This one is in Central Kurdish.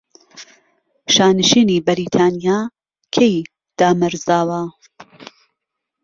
شانشینی بەریتانیا کەی دامەرزاوە؟